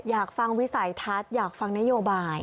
อยากฟังวิสัยทัศน์อยากฟังนโยบาย